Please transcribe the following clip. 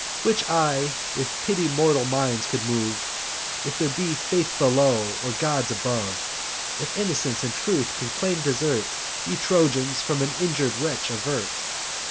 Which, O! if pity mortal minds can move, If there be faith below, or gods above, If innocence and truth can claim desert, Ye Trojans, from an injur'd wretch avert.